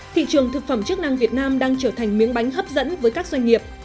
thị trường thực phẩm chức năng việt nam đang trở thành miếng bánh hấp dẫn với các doanh nghiệp